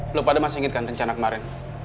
lo pada masih ingatkan rencana kemarin